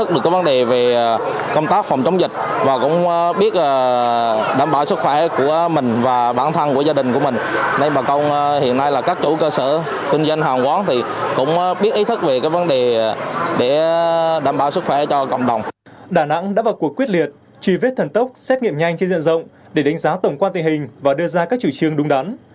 đà nẵng đã vào cuộc quyết liệt trì vết thần tốc xét nghiệm nhanh trên diện rộng để đánh giá tổng quan tình hình và đưa ra các chủ trương đúng đắn